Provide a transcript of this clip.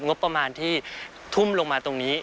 งบประมาณที่ทุ่มลงมาตรงนี้